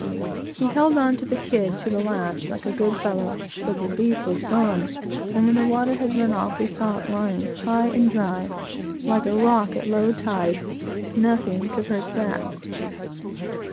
He held on to the kid till the last, like a good fellow, but the beef was gone, and when the water had run off, we saw it lying high and dry, like a rock at low tide nothing could hurt that.